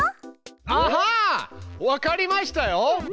アハわかりましたよ！